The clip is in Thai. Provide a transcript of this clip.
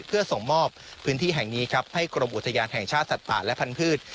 เพื่อส่งมอบพื้นที่แห่งนี้ครับให้กรมอุทยานแห่งชาติสัตว์ป่าและพันธุ์